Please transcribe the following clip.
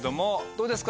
どうですか？